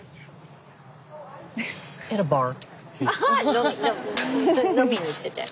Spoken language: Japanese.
飲みに行ってて。